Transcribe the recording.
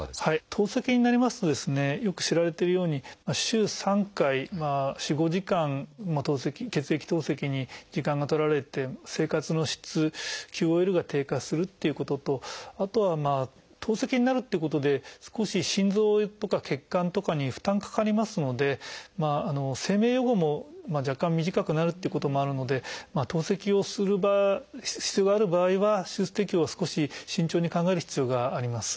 透析になりますとですねよく知られてるように週３回４５時間血液透析に時間が取られて生活の質ＱＯＬが低下するっていうこととあとは透析になるっていうことで少し心臓とか血管とかに負担かかりますので生命予後も若干短くなるっていうこともあるので透析をする必要がある場合は手術適応を少し慎重に考える必要があります。